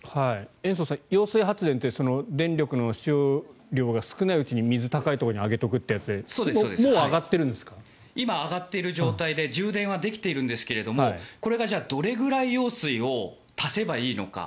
延増さん、揚水発電って電力の使用量が少ないうちに水を高いところに上げておくというやつで今、上がっている状態で充電はできているんですがこれがどれぐらい揚水を足せばいいのか。